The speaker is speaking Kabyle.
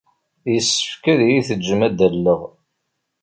Yessefk ad iyi-tejjem ad d-alleɣ.